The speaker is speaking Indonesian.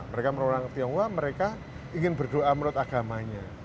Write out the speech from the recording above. mereka menurut orang tionghoa mereka ingin berdoa menurut agamanya